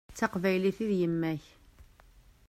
D taqbaylit i d yemma-k.